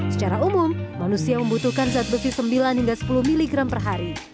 secara umum manusia membutuhkan zat besi sembilan hingga sepuluh miligram per hari